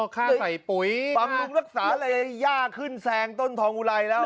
ใส่ปุ๋ยบำรุงรักษาอะไรย่าขึ้นแซงต้นทองอุไรแล้ว